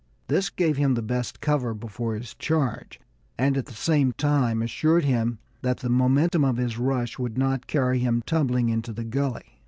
This gave him the best cover before his charge, and at the same time assured him that the momentum of his rush would not carry him tumbling into the gully.